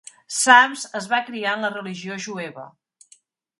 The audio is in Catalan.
Samms es va criar en la religió jueva.